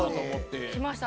きました。